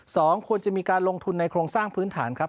ควรจะมีการลงทุนในโครงสร้างพื้นฐานครับ